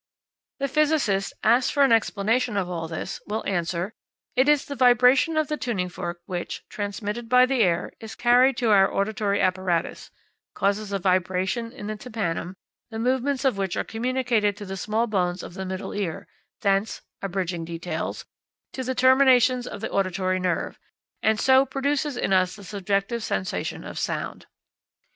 The physicist, asked for an explanation of all this, will answer: "It is the vibration of the tuning fork which, transmitted by the air, is carried to our auditory apparatus, causes a vibration in the tympanum, the movements of which are communicated to the small bones of the middle ear, thence (abridging details) to the terminations of the auditory nerve, and so produces in us the subjective sensation of sound."